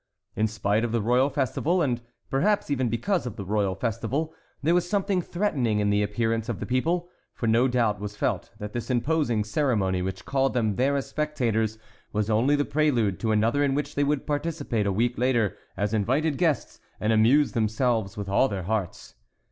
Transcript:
In spite of the royal festival, and perhaps even because of the royal festival, there was something threatening in the appearance of the people, for no doubt was felt that this imposing ceremony which called them there as spectators, was only the prelude to another in which they would participate a week later as invited guests and amuse themselves with all their hearts.